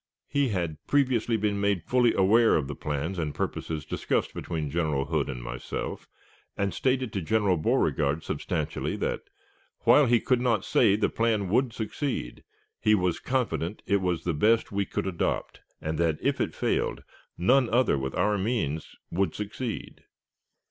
He had previously been made fully aware of the plans and purposes discussed between General Hood and myself, and stated to General Beauregard substantially that, while he could not say the plan would succeed, he was confident it was the best which we could adopt, and that, if it failed, none other with our means would succeed.